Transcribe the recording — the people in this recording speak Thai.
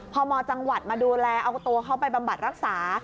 พมจังหวัดมาดูแลเอาตัวเขาไปบำบัดรักษา